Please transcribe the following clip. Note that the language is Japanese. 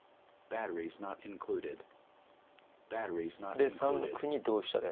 で３六歩に同飛車で。